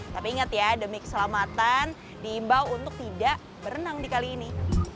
tapi ingat ya demi keselamatan diimbau untuk tidak berenang di kali ini